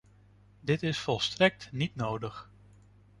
Dit is volstrekt niet nodig.